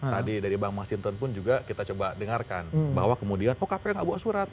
tadi dari bang masinton pun juga kita coba dengarkan bahwa kemudian oh kpk nggak bawa surat